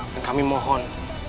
dan kami mohon